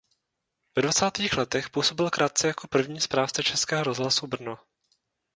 Ve dvacátých letech působil krátce jako první správce Českého rozhlasu Brno.